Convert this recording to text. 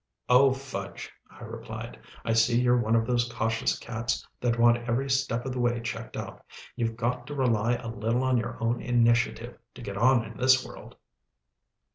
"Oh fudge!" I replied. "I see you're one of those cautious cats that want every step of the way checked out. You've got to rely a little on your own initiative, to get on in this world."